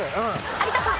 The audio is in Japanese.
有田さん。